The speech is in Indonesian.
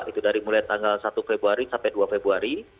itu dari mulai tanggal satu februari sampai dua februari